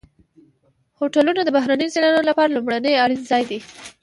هوټلونه د بهرنیو سیلانیانو لپاره لومړنی اړین ځای دی.